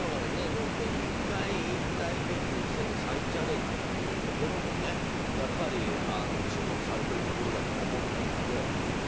のんちゃん１回引退を決意しての再チャレンジというところもやっぱり注目されているところだとは思うんですけど。